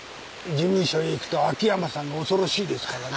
事務所へ行くと秋山さんが恐ろしいですからね。